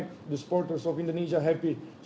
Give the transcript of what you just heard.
membuat para penonton indonesia bahagia